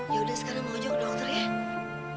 ya udah sekarang bang ojo ke dokter ya